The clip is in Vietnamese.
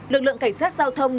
lực lượng cảnh sát giao thông